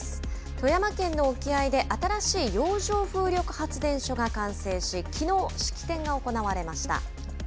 富山県の沖合で、新しい洋上風力発電所が完成し、きのう、式典が行われました。